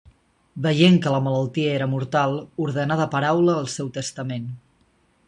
Veient que la malaltia era mortal, ordenà de paraula el seu testament.